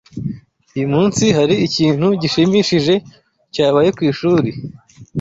Uyu munsi, hari ikintu gishimishije cyabaye ku ishuri?